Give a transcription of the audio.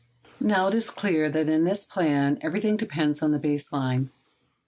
Now, it is clear that in this plan everything depends on the base line.